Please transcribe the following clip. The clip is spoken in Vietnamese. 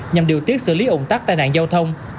nhằm điều tiết xử lý ủng tắc tai nạn giao thông